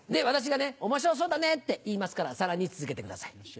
私が「面白そうだね」って言いますからさらに続けてください